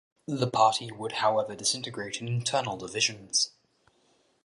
The party would however disintengrate in internal divisions.